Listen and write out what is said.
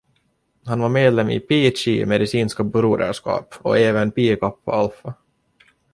Han var medlem i Phi Chi medicinska broderskap och även Phi Kappa Alpha.